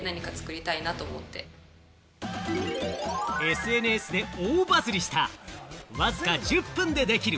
ＳＮＳで大バズりしたわずか１０分でできる！